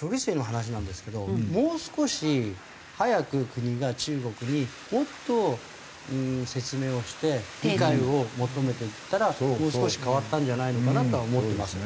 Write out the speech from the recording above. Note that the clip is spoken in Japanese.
処理水の話なんですけどもう少し早く国が中国にもっと説明をして理解を求めていったらもう少し変わったんじゃないのかなとは思ってますね。